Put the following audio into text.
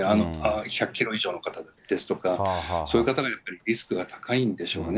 １００キロ以上の方ですとか、そういう方がやっぱりリスクが高いんでしょうね。